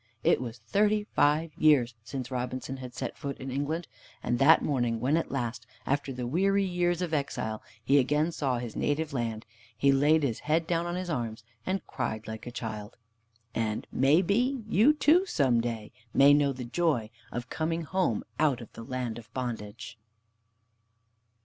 It was thirty five years since Robinson had set foot in England. And that morning, when at last, after the weary years of exile, he again saw his native land, he laid his head down on his arms and cried like a child. And, may be, you too some day may know the joy of coming home, out of the land of bondage.